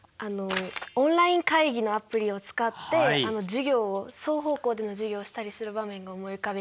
オンライン会議のアプリを使って授業を双方向での授業をしたりする場面が思い浮かびましたね。